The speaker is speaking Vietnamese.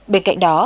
bên cạnh đó